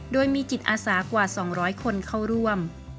โดยมีจิตอาสากว่า๒๐๐คนเข้าร่วม